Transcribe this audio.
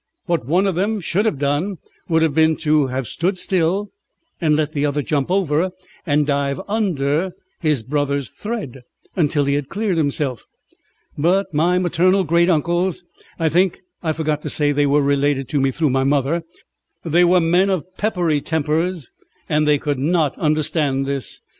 What one of them should have done would have been to have stood still and let the other jump over and dive under his brother's thread till he had cleared himself. But my maternal great uncles I think I forgot to say they were related to me through my mother they were men of peppery tempers and they could not understand this.